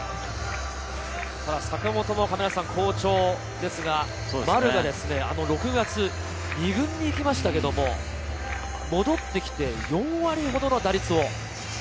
坂本も好調ですが、丸が６月、２軍に行きましたけど戻ってきて４割ほどの打率。